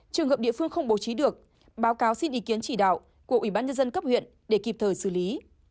trường hợp địa phương không bố trí được báo cáo xin ý kiến chỉ đạo của ủy ban nhân dân cấp huyện để kịp thời xử lý